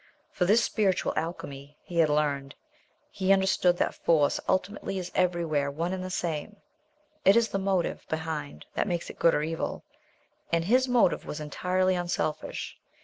For this spiritual alchemy he had learned. He understood that force ultimately is everywhere one and the same; it is the motive behind that makes it good or evil; and his motive was entirely unselfish.